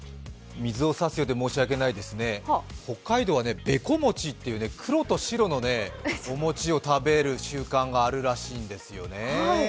水をさすようで申し訳ないですね、北海道は、べこ餅という、黒と白のお餅を食べる習慣があるらしいんですね。